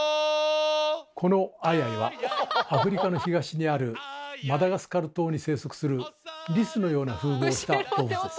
このアイアイはアフリカの東にあるマダガスカル島に生息するリスのような風貌をした動物です。